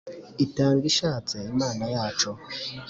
Itanga ishatse Imana yacu